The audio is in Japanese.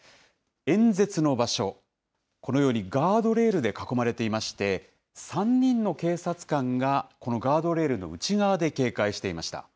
演説の場所、このようにガードレールで囲まれていまして、３人の警察官が、このガードレールの内側で警戒していました。